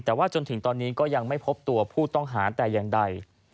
แต่ว่าจนถึงตอนนี้ก็ยังไม่พบตัวผู้ต้องหาแต่อย่างใด